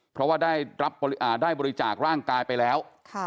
เพราะว่าได้บริจาคร่างกายไปแล้ว